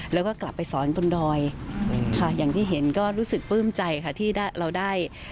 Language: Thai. แล้วก็กลับไปสอนกลุ่นดอยค่ะ